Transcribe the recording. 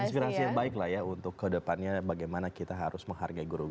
inspirasi yang baik lah ya untuk kedepannya bagaimana kita harus menghargai guru guru